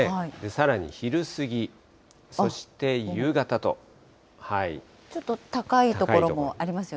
さらに昼過ぎ、ちょっと高い所もありますよ